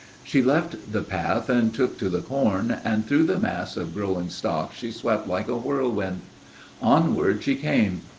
She left the path and took to the corn, and through the mass of growing stalks she swept like a whirlwind. Onward she came.